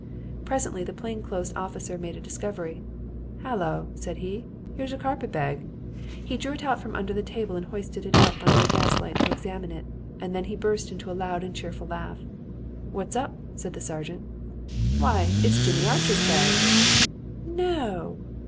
"Presently the plain clothes officer made a discovery. 'Hallo,' said he, 'here's a carpet bag.' He drew it out from under the table and hoisted it up under the gaslight to examine it; and then he burst into a loud and cheerful laugh. "'What's up?' said the sergeant. "'Why, it's Jimmy Archer's bag.' "'No!'